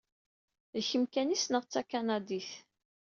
D kemm kan i ssneɣ d takanadit.